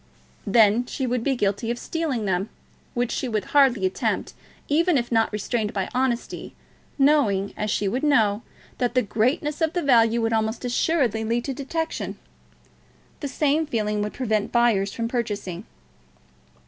"Then she would be guilty of stealing them, which she would hardly attempt, even if not restrained by honesty, knowing, as she would know, that the greatness of the value would almost assuredly lead to detection. The same feeling would prevent buyers from purchasing."